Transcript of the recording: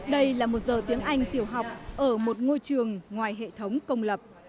đây là một giờ tiếng anh tiểu học ở một ngôi trường ngoài hệ thống công lập